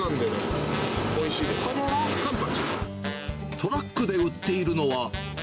トラックで売っているのは。